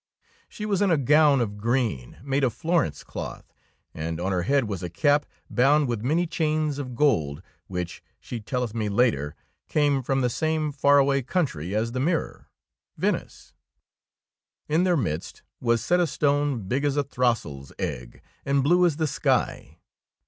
She was in a gown of green, made of Florence cloth, and on her head was a cap bound with many chains of gold, which, she telleth me later, came from the same far away country as the mirror, — Venice. In their midst was set a stone big as a throstle's egg and blue as the sky.